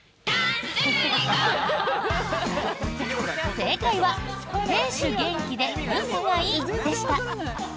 正解は「亭主元気で留守がいい」でした。